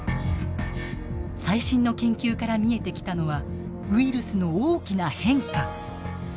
最新の研究から見えてきたのはウイルスの大きな変化。